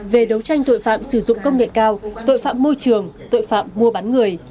về đấu tranh tội phạm sử dụng công nghệ cao tội phạm môi trường tội phạm mua bán người